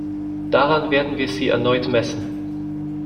Daran werden wir Sie erneut messen.